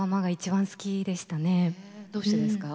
どうしてですか？